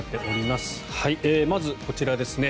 まず、こちらですね。